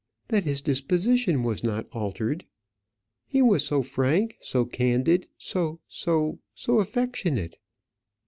"That his disposition was not altered. He was so frank, so candid, so so so affectionate."